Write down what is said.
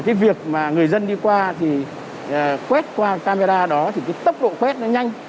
cái việc mà người dân đi qua thì quét qua camera đó thì cái tốc độ quét nó nhanh